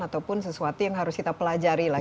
ataupun sesuatu yang harus kita pelajari lagi